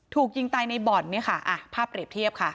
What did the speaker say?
ถูกยิงตายในบ่อนเนี่ยค่ะภาพเปรียบเทียบค่ะ